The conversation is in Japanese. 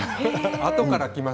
あとからきます。